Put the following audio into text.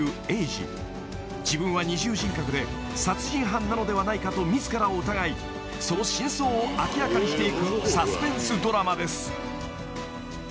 ［自分は二重人格で殺人犯なのではないかと自らを疑いその真相を明らかにしていくサスペンスドラマです］